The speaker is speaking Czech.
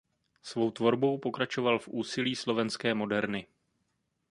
Svou tvorbou pokračoval v úsilí slovenské moderny.